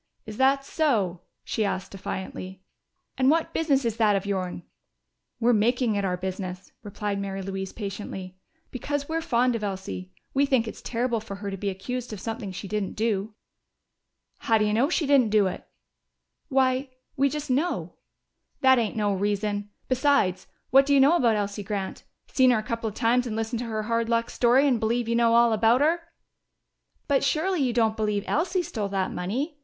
"Is that so?" she asked defiantly. "And what business is that of your'n?" "We're making it our business," replied Mary Louise patiently, "because we're fond of Elsie. We think it's terrible for her to be accused of something she didn't do." "How do you know she didn't do it?" "Why we just know." "That ain't no reason! Besides, what do you know about Elsie Grant? Seen her a couple of times and listened to her hard luck story and believe you know all about her!" "But surely you don't believe Elsie stole that money?"